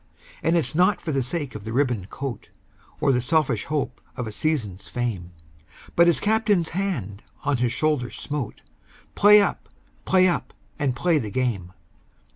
And it's not for the sake of a ribboned coat, Or the selfish hope of a season's fame, But his Captain's hand on his shoulder smote "Play up! play up! and play the game!"